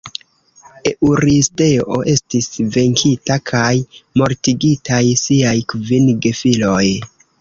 Eŭristeo estis venkita kaj mortigitaj siaj kvin gefiloj.